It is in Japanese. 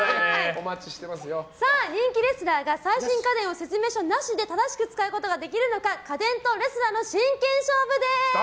人気レスラーが最新家電を説明書なしで使えるのか家電とレスラーの真剣勝負です。